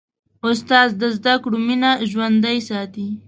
استاد د زدهکړو مینه ژوندۍ ساتي.